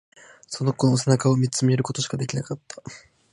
その子の背中を見つめることしかできなかった。